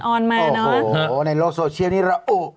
โอ้โหในโลกโทรเชียนนี่รออุ๊ะ